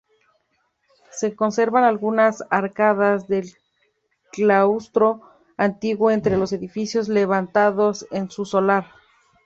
Se conservan algunas arcadas del claustro antiguo entre los edificios levantados en su solar.